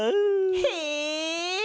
へえ！